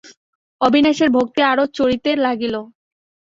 অবিনাশের ভক্তি আরো চড়িতে লাগিল।